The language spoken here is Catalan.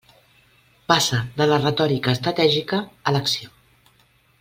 Passa de la retòrica estratègica a l'acció.